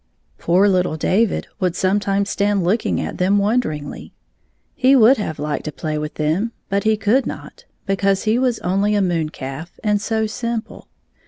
Poor little David would sometimes stand looking at them wonderingly. He would have liked to play with them, but he could not, because he was only a moon calf, and so simple.